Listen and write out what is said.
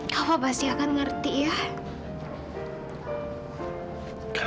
kafa pasti akan mengerti ya